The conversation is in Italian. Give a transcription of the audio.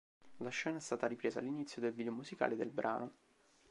La scena è stata ripresa all'inizio del video musicale del brano.